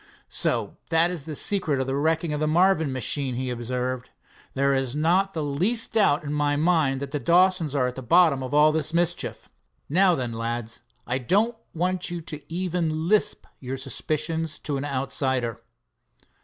"So that is the secret of the wrecking of the Marvin machine," he observed. "There is not the less doubt in my mind that the Dawsons are at the bottom of all this mischief. Now then, lads, I don't want you to even lisp your suspicions to an outsider."